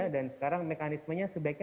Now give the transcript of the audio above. dan sekarang mekanismenya sebaiknya